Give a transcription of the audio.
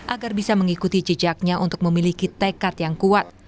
agar bisa mengikuti jejaknya untuk memiliki tekad yang kuat